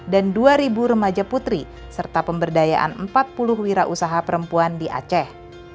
dua remaja putri serta pemberdayaan empat puluh wira usaha perempuan di aceh